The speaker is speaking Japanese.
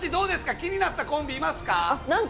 気になったコンビいますか？